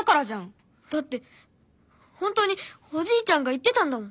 だって本当におじいちゃんが言ってたんだもん！